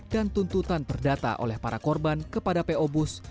dan tuntutan perdata oleh para korban kepada po bus